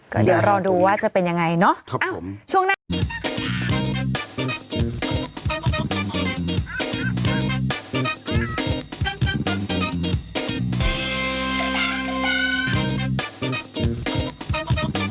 ก็เดี๋ยวรอดูว่าจะเป็นยังไงเนาะ